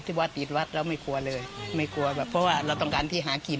วัดติดวัดแล้วไม่กลัวเลยไม่กลัวแบบเพราะว่าเราต้องการที่หากิน